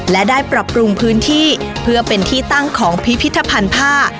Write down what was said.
และได้ปรับปรุงพื้นที่เพื่อเป็นที่ตั้งของพิพิธภัณฑ์ผ้า